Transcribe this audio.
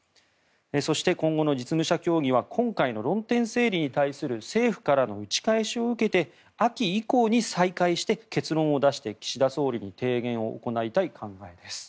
そして今後の実務者協議は今回の論点整理に対する政府からの打ち返しを受けて秋以降に再開して、結論を出して岸田総理に提言を行いたい考えです。